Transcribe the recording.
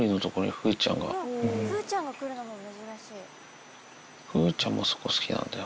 風ちゃんもそこ好きなんだよ。